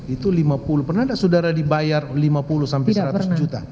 itu lima puluh pernah tidak saudara dibayar lima puluh sampai seratus juta